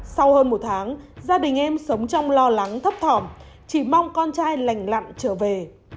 sau hơn một tháng gia đình em sống trong lo lắng thấp thỏm chỉ mong con trai lành lặn trở về